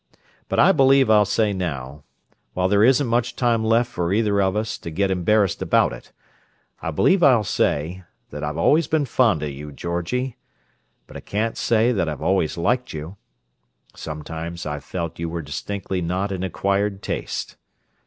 But I believe I'll say now—while there isn't much time left for either of us to get embarrassed about it—I believe I'll say that I've always been fond of you, Georgie, but I can't say that I always liked you. Sometimes I've felt you were distinctly not an acquired taste.